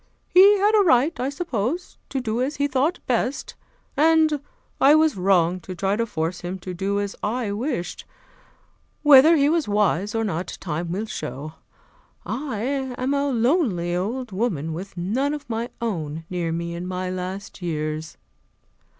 He had a right, I suppose, to do as he thought best, and I was wrong to try to force him to do as I wished. Whether he was wise or not, time will show. I am a lonely old woman with none of my own near me in my last years.